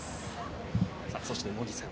そして、茂木さん